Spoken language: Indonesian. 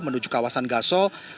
menuju kawasan gasol